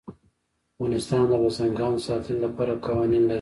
افغانستان د بزګان د ساتنې لپاره قوانین لري.